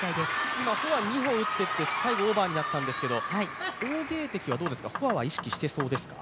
今、フォア２本打って、最後オーバーになったんですが、王ゲイ迪はフォアは意識してそうですか？